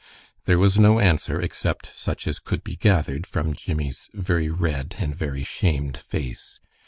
There was no answer, except such as could be gathered from Jimmie's very red and very shamed face.